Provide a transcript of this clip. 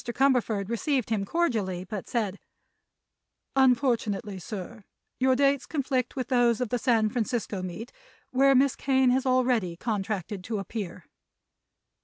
Cumberford received him cordially, but said: "Unfortunately, sir, your dates conflict with those of the San Francisco meet, where Miss Kane has already contracted to appear."